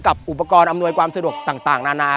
อุปกรณ์อำนวยความสะดวกต่างนานา